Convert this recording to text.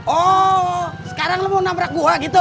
oh sekarang lo mau nabrak gua gitu